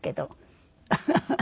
ハハハハ！